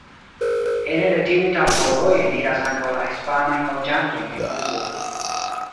Ene de tiuj tavoloj eniras ankaŭ la hispanajn loĝantojn en Kubo.